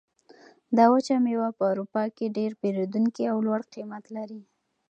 دا وچه مېوه په اروپا کې ډېر پېرودونکي او لوړ قیمت لري.